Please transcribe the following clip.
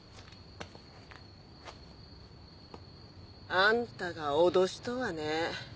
あんたが脅しとはね。